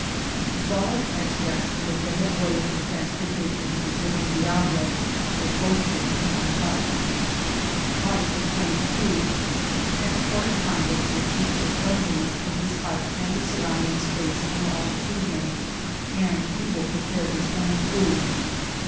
The following extracts from the general orders of transportation to the He du Diable were posted in my hut :—" Article 22. The transported convict will see to the cleanliness of his hut and the surrounding space allotted to him, and he will prepare his own food.